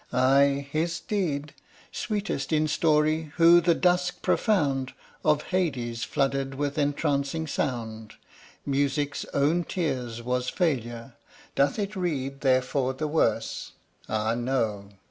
Ay, his deed, Sweetest in story, who the dusk profound Of Hades flooded with entrancing sound, Music's own tears, was failure. Doth it read Therefore the worse? Ah, no!